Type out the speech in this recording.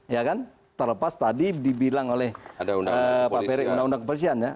ya kan terlepas tadi dibilang oleh pak peri undang undang kebersihan ya